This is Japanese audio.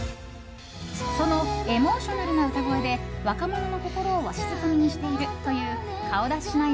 そのエモーショナルな歌声で若者の心をわしづかみにしているという顔出ししない